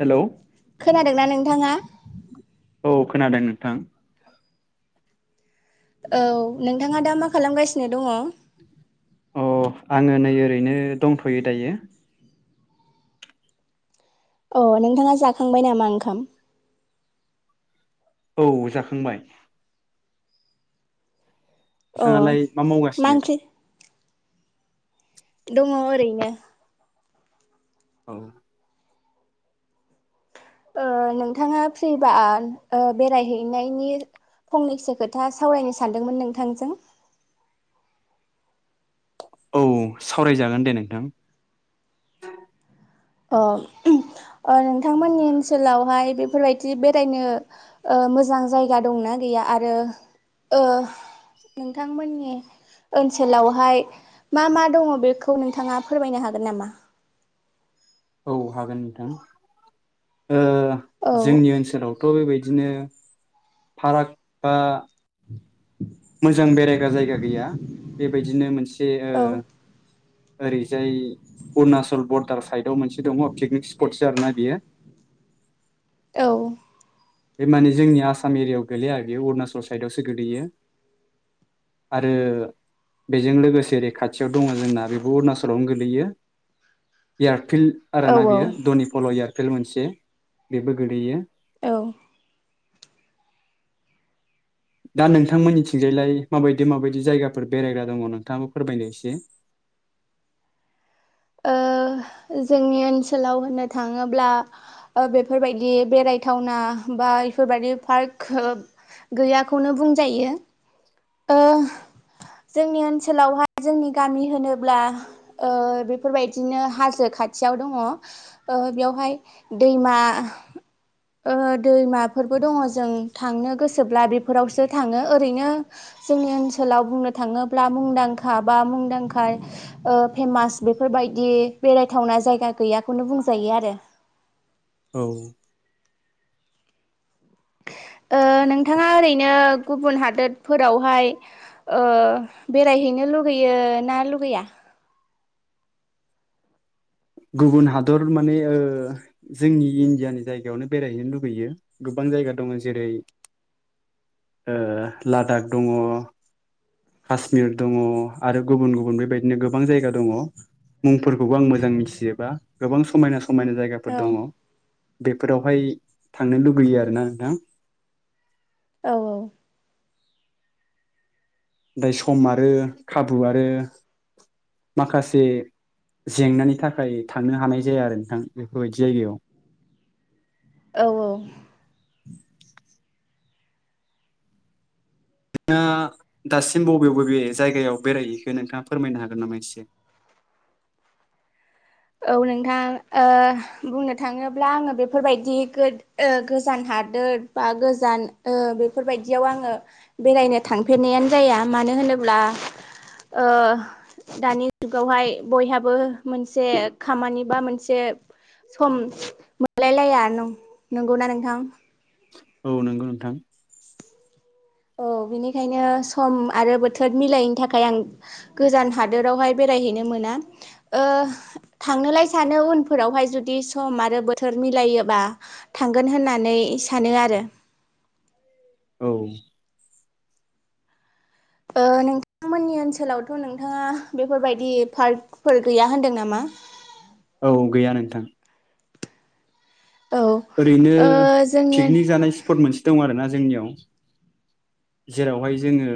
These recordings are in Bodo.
हेलौ खोनादोंना नों थाङा औ खोनादों नोंथां। औ नोंथाङा दा मा खालामगासिनो दङ? अ आङो नै ओरैनो दंथ'यो दायो। अ नोंथाङा जाखांबाय नामा ओंखाम? औ जाखांबाय। अ नोंथाङालाय मा मावगासिनो? दङ ओरैनो। औ। ओ नोंथाङा फ्रिबा ओ बेरायहैनायनि फंनैसो खोथा सावरायनो सानदोंमोन नोंथांजों। औ सावरायजागोन दे नोंथां। अ ओ नोंथांमोननि ओनसोलावहाय बेफोरबायदि बेरायनो ओ मोजां जायगा दंना गैया आरो ओ नोंथांमोननि ओनसोलावहाय मा मा दङ बेखौ नोंथाङा फोरमायनो हागोन नामा? औ हागोन नोंथां। ओ औ जोंनि ओनसोलावथ' बेबाय दिनो फाराग बा मोजां बेरायग्रा जायगा गैया बेबायदिनो मोन से ओ औ ओरैजाय उणाचल बरदार साइड याव मोनसे दङ पिकनिक स्पटसो आरो ना बेयो। औ बे माने जोंनि आसाम एरियायाव गोलैया बेयो अरुणाचल साइदआवसो गोलैयो आरो बेजों लोगोसे ओरै खाथियाव दङ जोंना बेबो अरुणाचलावनो गोलैयो एयार फिल्ड आरो औ ना बियो दनि फल' एयार फिल मोनसे बेबो गोलैयो। औ ओ दा नोंथांमोननिथिंजायलाय माबायदि माबायदि जायगाफोर बेरायग्रा दङ नोंथाङाबो फोरमायदो एसे। ओ जोंनि ओनसोलाव होननो थाङोब्ला ओ बेफोरबायदि बेरायथावना बा इफोरबायदि पार्कहो गैयाखौनो बुंजायो ओ जोंनि ओनसोलावहाय जोंनि गामि होनोब्ला ओ बेफोरबाय दिनो हाजो खाथियाव दङ ओ बेवहाय दैमा ओ दैमाफोरबो दङ जों थांनो गोसोब्ला बेफोरावसो थाङो ओरैनो जोंनि ओनसोलाव बुंनो थाङोब्ला मुंदांखा बा मुंदांखा ओ फेमास बेफोरबाय दि बेरायथावना जायगा गैयाखौनो बुंजायो आरो। औ ओ नोंथाङा ओरैनो गुबुन हादोद फोरावहाय ओ बेरायहैनो लुगैयो ना लुगैया? गुबुन हादर माने ओ जोंनि इण्डियानि जायगायावनो बेरायहैनो लुगैयो गोबां जायगा दङ जेरै ओ लादाख दङ कासमिर दङ आरो गुबुन गुबुन बेबायदिनो गोबां जायगा दङ मुंफोरखौबो आं मोजां मिथिजोबा गोबां समायना समायना जायगाफोर औ दङ। बेफोरावहाय थांनो लुबैयो आरोना नोंथां। औ औ। थाय सम आरो खाबु आरो माखासे जेंनानि थाखाय थांनो हानाय जाया आरो नोंथां बेफोरबायदि जायगायाव। औ औ। [inaudible] थाङा दासिम बबे बबे जायगायाव बेरायहैखो नोंथाङा फोरमायनो हागोन नामा एसे? औ नोंथां ओ बुंनो थाङोब्ला आङो बेफोरबायदि गोद ओ गोजान हादोर बा गोजान ओ बेफोरबायदियाव आङो बेरायनो थांफेरनायानो जाया मानो होनोब्ला ओ दानि जुगावहाय बयहाबो मोनसे खामानि बा मोनसे सम मोनलायलाया नं नोंगौना नोंथां? औ नोंगौ नोंथां। औ बिनिखायनो सम आरो बोथोद मिलायैनि थाखाय आं गोजान हादोरावहाय बेरायहैनो मोना। ओ थांनोलाय सानो उनफोरावहाय जुदि सम आरो बोथोर मिलायोबा थांगोन होननानै सानो आरो। औ ओ नोंथांमोननि ओनसोलावथ' नोंथाङा बेफोरबायदि पार्कफोर गैया होनदों नामा? औ गैया नोंथां। औ ओरैनो ओ जोंनि पिकनिक औ जानाय स्पट मोनसे दं आरो ना जोंनियाव जेरावहाय जोङो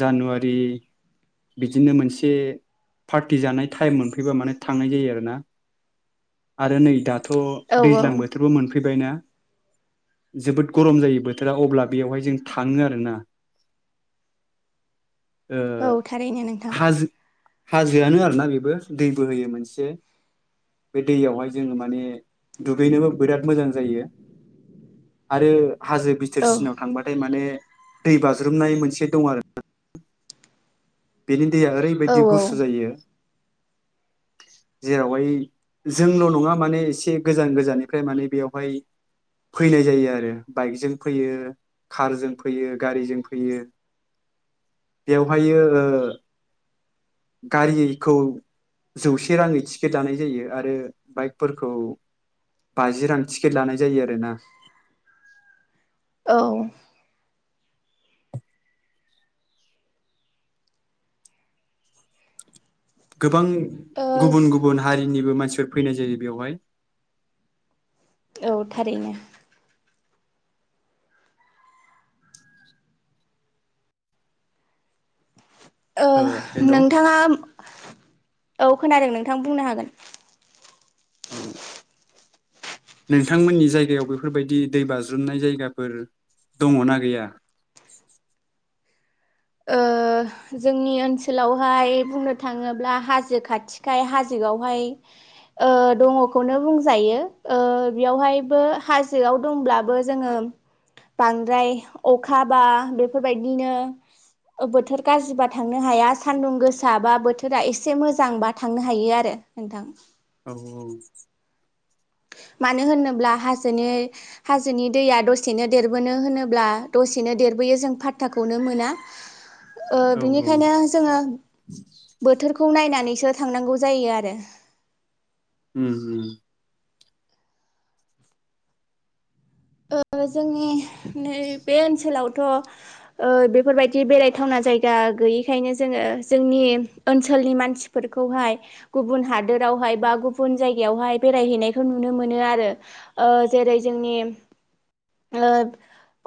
जानुवारि बिदिनो मोनसे पार्टि जानाय टाइम मोनफैबा माने थांनाय जायो आरोना आरो नै दा औ दैज्लांबोथोर मोनफैबायना जोबोद गरम जायो बोथोरा अब्ला बेयावहाय जों थाङो आरोना औ थारैनो नोंथां हाजो हाजोआनो आरोना बेबो दै बोहोयो मोनसे बे दैयावहाय जोङो माने दुगैनोबो बिराद मोजां जायो आरो हाजो बिथोर औ सिनाव थांबाथाय माने दै बाज्रुमनाय मोनसे दं आरोना बेनि दैया औ ओरैबायदि गुसु जायो जेरावहाय जोंल' नङा माने एसे गोजान गोजाननिफ्राय माने बेवहाय फैनाय जायो आरो बाइकजों फैयो कारजों फैयो गारिजों फैयो बेवहाय गारिखौ जौसे राङै टिकेट लानाय जायो आरो बाइकफोरखौ बाजि रां टिकेट लानाय जायो आरोना औ गोबां गुबुन गुबुन हारिनिबो मा सो फैनाय जायो बेवहाय औ थारैनो ओ हेल' औ नोंथाङा औ खोनादों नोंथां बुंनो हागोन औ नोंथांमोननि जायगायाव बेफोरबायदि दै बाज्रुमनाय जायगाफोर दङ ना गैया ओ जोंनि ओनसोलावहाय बुंनो थाङोब्ला हाजो खाथिखाय हाजोआवहाय ओ दङखौनो बुंजायो ओ बेयावहायबो हाजोआव दंब्लाबो जोङो बांद्राय अखा बा बेफोरबायदिनो ओबोथोर गाज्रिबा थांनो हाया सानदुं गोसा बा बोथोरा एसे मोजांबा थांनो हायो आरो नोंथां औ मानो होनोब्ला हाजोनो हाजोनि दैया दसेनो देरबोनो होनोब्ला दसेनो देरबोयो जों फात्ताखौनो मोना ओ औ औ बिनिखायनो जोङो बोथोरखौ नायनानै सो थांनांगौ जायो आरो उम उम ओ जोंनि नै बे ओनसोलावथ' बेफोरबायदि बेरायथावना जायगा गैयिखायनो जोङो जोंनि ओनसोलनि मानसिफोरखौहाय गुबुन हादोरावहाय बा गुबुन जायगायावहाय बेरायहैनायखौ नुनो मोनो आरो ओ जेरै जोंनि ओ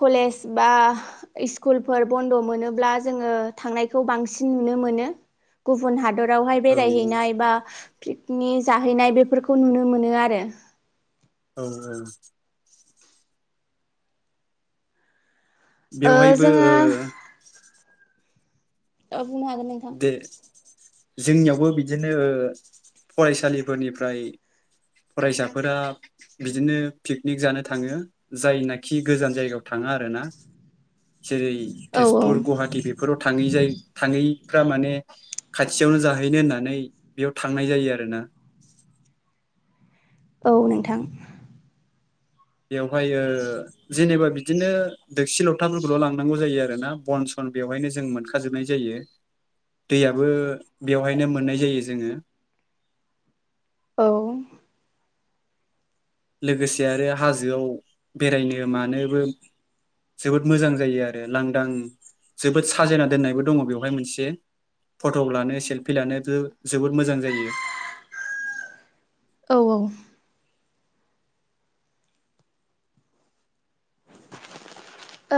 कलेज बा इस्कुलफोर बन्द' मोनोब्ला जोङो थांनायखौ बांसिन नुनो मोनो गुबुन हादर रावहाय औ बेरायहैनाय बा पिकनि जाहैनाय बेफोरखौ नुनो मोनो आरो औ औ ओ बेवहायबो जोङो ओ ओ बुंनो हागोन नोंथां दे जोंनियावबो बिदिनो फरायसालिफोरनिफ्राय फरायसाफोरा बिदिनो पिकनिक जानो थाङो जायनाखि गोजान जायगायाव थाङा आरोना जेरै औ तेजपुर गुवाहाटि बेफोराव थाङै जाय थाङै फ्रा माने खाथियावनो जाहैनो होननानै बेयाव थांनाय जायो आरोना औ नोंथां बेवहाय ओ जेनेबा बिदिनो दोगसि लथाफोरखौल' लांनांगौ जायो आरोना बन सन बेवहायनो जों मोनखाजोबनाय जायो दैयाबो बेवहायनो मोननाय जायो जोङो औ लोगोसे आरो हाजोआव बेरायनो मानोबो जोबोद मोजां जायो आरो लांदां जोबोद साजायना दोननायबो दङ बेवहाय मोनसे फट'क लानो सेल्फि लानो दो जोबोद मोजां जायो औ ओ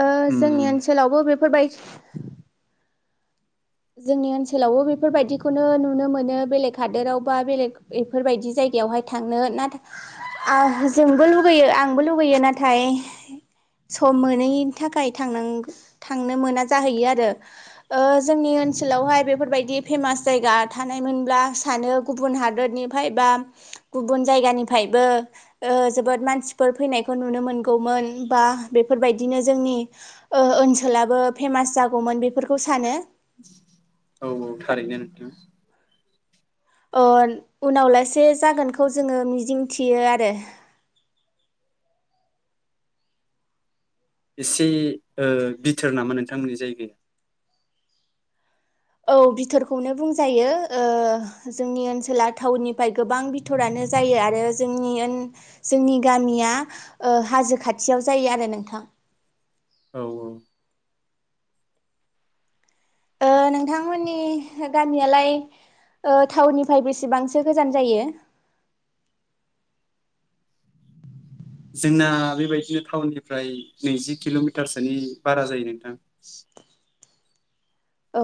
ओ जोंनि उम ओनसोलावबो बेफोरबाय जोंनि ओनसोलावबो बेफोरबायदिखौनो नुनो मोनो बेलेग हादोराव बा बेलेग एफोरबायदि जायगायावहाय थांनो नाथा आ होज जोंबो लुगैयो आंबो लुगैयो ना थाय सम मोनैनि थाखाय थांनांग थांनो मोना जाहैयो आरो ओ जोंनि ओनसोलावहाय बेफोरबायदि फेमास जायगा थानायमोनब्ला सानो गुबुन हादरनिफाय बा गुबुन जायगानिफ्रायबो जोबोद मानसिफोर फैनायखौ नुनो मोनगौमोन बा बेफोरबायदिनो जोंनि ओनसोलाबो ओ फेमास जागौमोन बेफोरखौ सानो औ औ थारैनो नोंथां ओल उनाव लासे जागोनखौ जोङो मिजिंथियो आरो इसि ओ बिथोर नामा नोंथांमोननि जायगाया औ बिथोरखौनो बुंजायो ओ जोंनि ओनसोला टावननिफ्राय गोबां बिथरानो जायो आरो जोंनि ओन जोंनि गामिया ओ हाजो खाथियाव जायो आरो नोंथां औ औ ओ नोंथांमोननि गामियालाय ओ थाउननिफाय बेसेबांसो गोजान जायो जोंना बेबायदिनो टाउननिफ्राय नैजि किल'मिटारसोनि बारा जायो नोंथां औ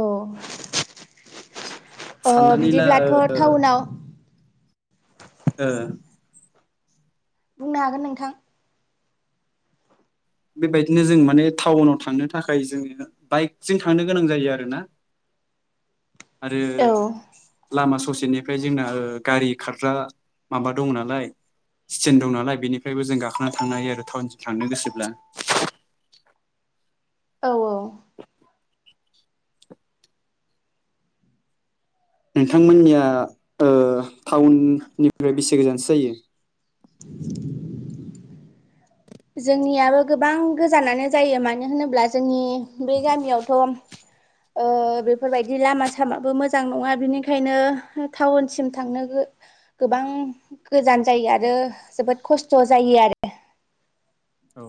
अ साननानै ला ओ बिदिब्लाथ' टाउनाव ओ बुंनो हागोन नोंथां बेबायदिनो जों माने टाउनाव थांनो थाखाय जोङो बाइकजों थांनो गोनां जायो आरोना आरो औ लामा ससेनिफ्राय जोंना ओ गारि खारग्रा माबा दं नालाय स्टेेन दं नालाय बेनिफ्रायबो जों गाखोनानै थांनो हायो आरो टाउनसिम थांनो गोसोब्ला औ औ नोंथांमोननिया ओ टाउननिफ्राय बेसे गोजानसो जायो जोंनियाबो गोबां गोजानानो जायो मानो होनोब्ला जोंनि बे गामियावथ' ओ बेफोरबायदि लामा सामाबो मोजां नङा बिनिखायनो टाउनसिम थांनो गो गोबां गोजान जायो आरो जोबोद खस्थ' जायो आरो औ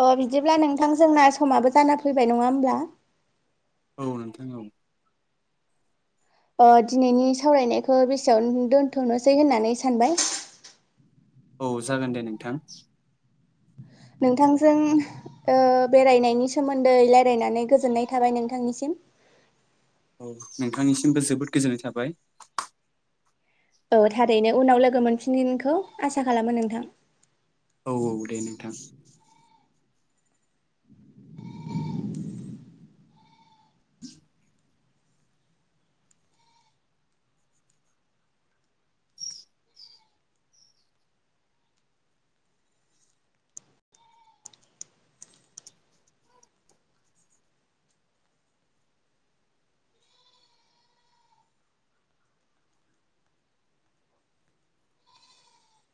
अ बिदिब्ला नोंथां जोंना समाबो जाना फैबाय नङा होमब्ला औ नोंथां औ ओ दिनैनि सावरायनायखौ बेसे आवनो दोनथ'नोसै होननानै सानबाय औ जागोन दे नोंथां नोंथांजों ओ बेरायनायनि सोमोन्दै लायरायनानै गोजोननाय थाबाय नोंथांनिसिम औ नोंथांनिसिमबो जोबोद गोजोननाय थाबाय औ थारैनो उनाव लोगो मोनफिनगोनखौ आसा खालामो नोंथां औ औ दे नोंथां [inaudible]